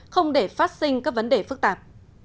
không để phát sinh các vấn đề phức tạp